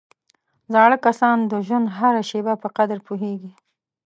زاړه کسان د ژوند هره شېبه په قدر پوهېږي